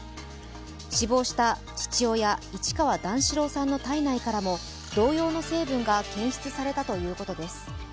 死亡した父親・市川段四郎さんの体内からも同様の成分が検出されたということです。